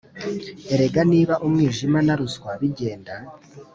erega niba umwijima na ruswa bigenda